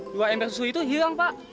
dua ember susu itu hilang pak